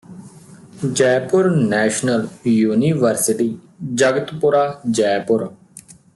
Jaipur national university Jagatpura Jaipur